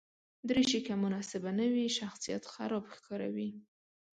دریشي که مناسبه نه وي، شخصیت خراب ښکاروي.